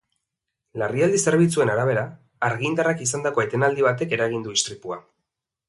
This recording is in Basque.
Larrialdi zerbitzuen arabera, argindarrak izandako etenaldi batek eragin du istripua.